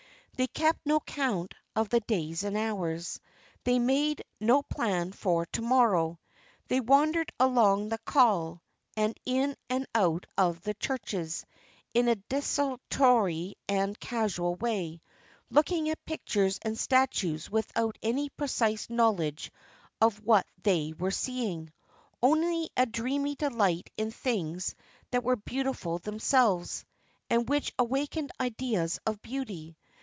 They kept no count of the days and hours. They made no plan for to morrow. They wandered along the calle, and in and out of the churches, in a desultory and casual way, looking at pictures and statues without any precise knowledge of what they were seeing only a dreamy delight in things that were beautiful themselves, and which awakened ideas of beauty.